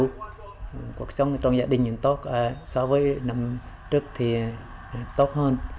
cuộc sống trong gia đình cũng tốt so với năm trước thì tốt hơn